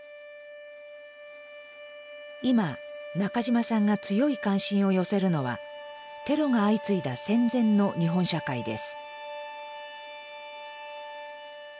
今中島さんが強い関心を寄せるのはテロが相次いだ戦前の日本社会です。